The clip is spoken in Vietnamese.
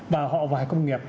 và họ và công nghiệp